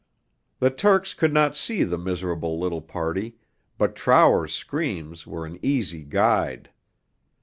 The Turks could not see the miserable little party, but Trower's screams were an easy guide.